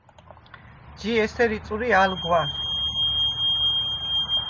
ჯი ესერ იწვრი ალ გვაშვ.